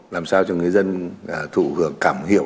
làm sao cho người dân thù hưởng cảm hiểu